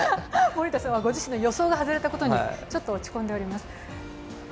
森田さんはご自身の予想が外れたことに、ちょっと落ち込んでいます。